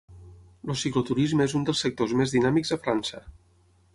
El cicloturisme és un dels sectors més dinàmics a França.